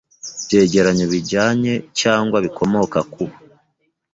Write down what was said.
byegeranyo bijyanye cyangwa bikomoka ku